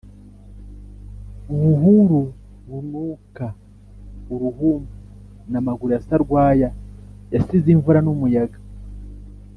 Buhuru bunuka uruhumbu, na Maguru ya Sarwaya yasize imvura n’umuyaga